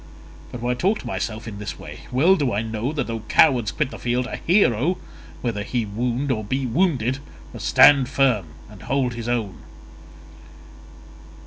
But why talk to myself in this way? Well do I know that though cowards quit the field, a hero, whether he wound or be wounded, must stand firm and hold his own."